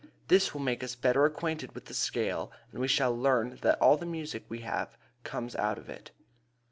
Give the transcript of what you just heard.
This will make us better acquainted with the scale and we shall learn that all the music we have comes out of it.